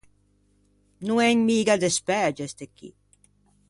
No en miga despæge ste chì.